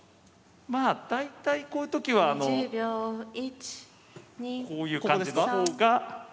まあ大体こういうときはこういう感じの方が。